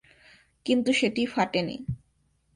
কিন্তু সেটি ফাটেনি।